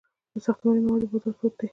د ساختماني موادو بازار تود دی